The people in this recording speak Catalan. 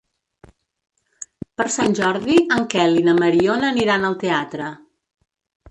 Per Sant Jordi en Quel i na Mariona aniran al teatre.